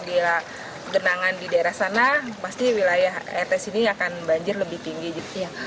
bila genangan di daerah sana pasti wilayah rt sini akan banjir lebih tinggi gitu